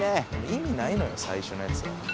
意味ないのよ最初のやつは。